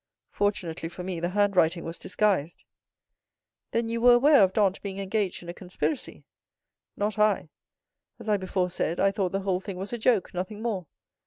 Fortunately, for me, the handwriting was disguised." "Then you were aware of Dantès being engaged in a conspiracy?" "Not I. As I before said, I thought the whole thing was a joke, nothing more.